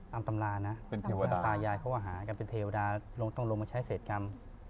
ตามตำรานะตายายเค้าอาหารเป็นเทวดาต้องลงมาใช้เศษกรรม